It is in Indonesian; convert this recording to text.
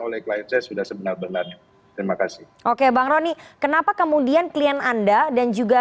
oleh klien saya sudah sebenar benarnya terima kasih oke bang roni kenapa kemudian klien anda dan juga